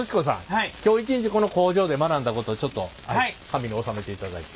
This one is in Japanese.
はい。今日一日この工場で学んだことをちょっと紙に収めていただいて。